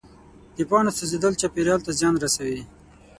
د پاڼو سوځېدل چاپېریال ته زیان رسوي.